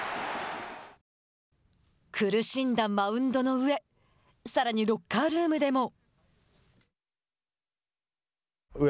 苦しんだマウンドの上さらにロッカールームでも。